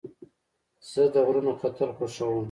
زه د غرونو ختل خوښوم.